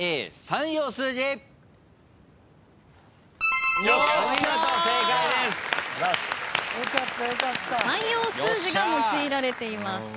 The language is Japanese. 算用数字が用いられています。